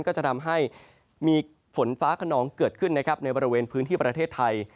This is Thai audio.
ก็จะทำให้มีฝนฟ้าขนองเกิดขึ้นนะครับในบริเวณพื้นที่ประเทศไทย